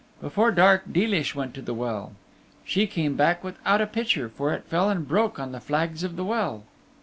Before dark Deelish went to the well. She came back without a pitcher, for it fell and broke on the flags of the well.